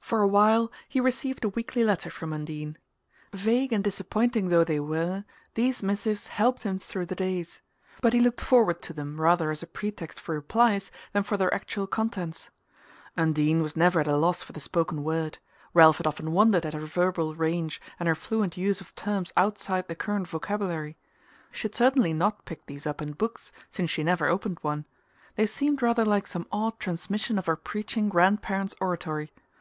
For a while he received a weekly letter from Undine. Vague and disappointing though they were, these missives helped him through the days; but he looked forward to them rather as a pretext for replies than for their actual contents. Undine was never at a loss for the spoken word: Ralph had often wondered at her verbal range and her fluent use of terms outside the current vocabulary. She had certainly not picked these up in books, since she never opened one: they seemed rather like some odd transmission of her preaching grandparent's oratory.